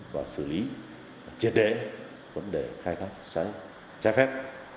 và xử lý triệt đế vấn đề khai thác trái phép